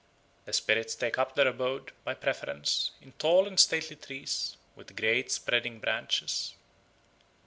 The spirits take up their abode, by preference, in tall and stately trees with great spreading branches.